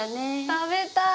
食べたい！